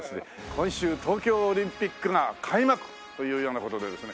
今週東京オリンピックが開幕というような事でですね